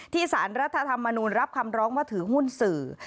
สารรัฐธรรมนูลรับคำร้องว่าถือหุ้นสื่อ